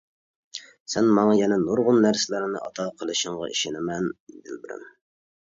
سەن ماڭا يەنە نۇرغۇن نەرسىلەرنى ئاتا قىلىشىڭغا ئىشىنىمەن دىلبىرىم.